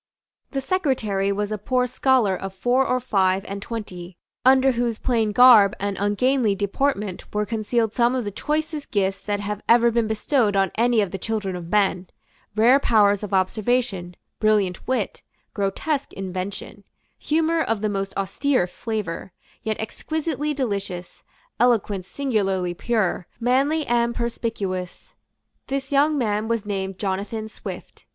The secretary was a poor scholar of four or five and twenty, under whose plain garb and ungainly deportment were concealed some of the choicest gifts that have ever been bestowed on any of the children of men; rare powers of observation, brilliant wit, grotesque invention, humour of the most austere flavour, yet exquisitely delicious, eloquence singularly pure, manly and perspicuous. This young man was named Jonathan Swift.